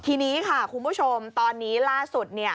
ทีนี้ค่ะคุณผู้ชมตอนนี้ล่าสุดเนี่ย